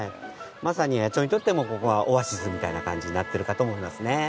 まさに野鳥にとってもここはオアシスみたいな感じになってるかと思いますね。